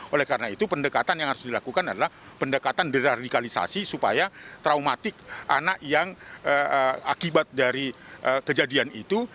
oleh karena itu pendekatan yang harus dilakukan adalah pendekatan deradikalisasi supaya traumatik anak yang akibat dari kejadian itu